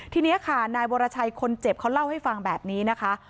ทีนี้ค่ะนายวรชัยคนเจ็บเขาเล่าให้ฟังแบบนี้นะคะ